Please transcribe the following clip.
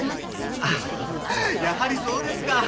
あっやはりそうですか。